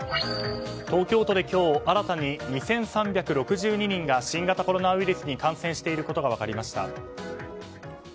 東京都で今日新たに２３６２人が新型コロナウイルスに感染していることが分かりました。